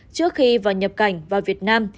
trước khi vào nhập cảnh vào việt nam